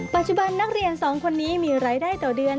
ปัจจุบันนักเรียนสองคนนี้มีรายได้ต่อเดือน